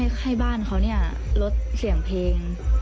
เอ่อให้บ้านเขาเนี่ยลดเสียงเพลง